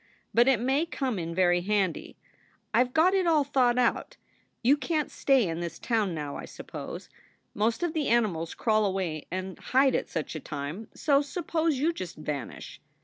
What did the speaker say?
But it may come in very handy. I ve got it all thought out. You can t stay in this town now, I suppose. Most of the animals crawl away and hide at such a time; so suppose you just vanish.